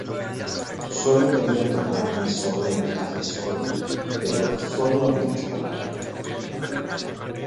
Sólo quería tomarme solo un café solo, pero sólo había chocolate.